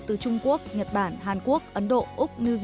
từ trung quốc nhật bản hàn quốc ấn độ úc